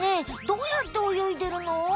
どうやって泳いでるの？